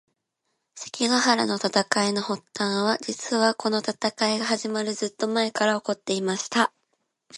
関ヶ原の戦いの発端は、実はこの戦いが始まるずっと前から起こっていました。